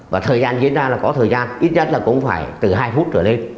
và thời gian diễn ra là có thời gian ít nhất là cũng phải từ hai phút trở lên